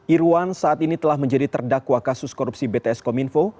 irwan saat ini telah menjadi terdakwa kasus korupsi bts kominfo